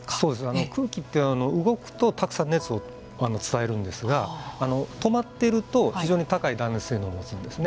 空気というのは動くとたくさん熱を伝えるんですが止まっていると非常に高い断熱性能を持つんですね。